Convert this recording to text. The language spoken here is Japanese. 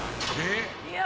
「いや」